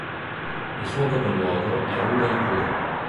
Il suo capoluogo è Udaipur.